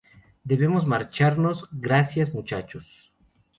¡ Debemos marchamos! ¡ gracias, muchachos!